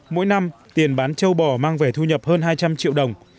mỗi năm tiền bán châu bò mang về thu nhập hơn hai trăm linh triệu đồng